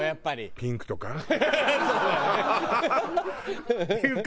ピンクとか？